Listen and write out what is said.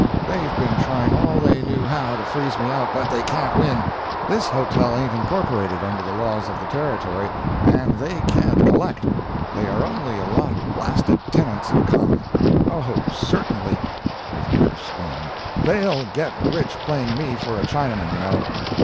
They've been trying all they knew how to freeze me out, but they can't win. This hotel ain't incorporated under the laws of the Territory, and they can't collect—they are only a lot of blasted tenants in common! O, certainly" (with bitter scorn ), "they'll get rich playing me for a Chinaman, you know."